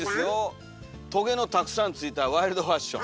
「とげのたくさんついたワイルドファッション」。